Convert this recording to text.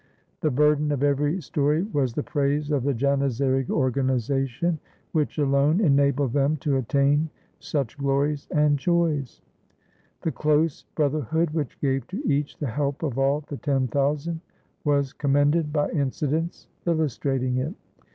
The burden of every story was the praise of the Janizary organization, which alone enabled them to attain such glories and joys. The close brotherhood, which gave to each the help of all the ten thousand, was commended by incidents illustrating it.